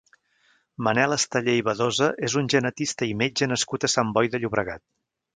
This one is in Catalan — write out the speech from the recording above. Manel Esteller i Badosa és un genetista i metge nascut a Sant Boi de Llobregat.